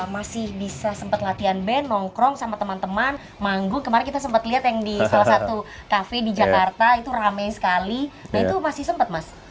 masih bisa sempat latihan band nongkrong sama teman teman manggung kemarin kita sempat lihat yang di salah satu kafe di jakarta itu rame sekali nah itu masih sempat mas